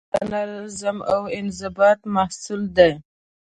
تمرکز د نظم او انضباط محصول دی.